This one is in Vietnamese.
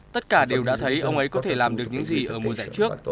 tất cả đều đã thấy ông ấy có thể làm được những gì ở mùa giải trước